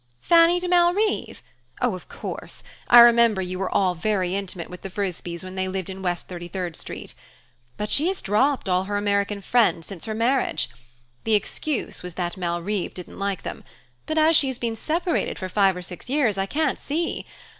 "Fanny de Malrive? Oh, of course: I remember you were all very intimate with the Frisbees when they lived in West Thirty third Street. But she has dropped all her American friends since her marriage. The excuse was that de Malrive didn't like them; but as she's been separated for five or six years, I can't see